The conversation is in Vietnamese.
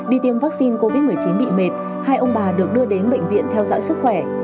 đi tiêm vaccine covid một mươi chín bị mệt hai ông bà được đưa đến bệnh viện theo dõi sức khỏe